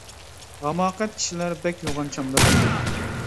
ھاماقەت كىشىلەر بەك يوغان چامداپ ماڭىدۇ.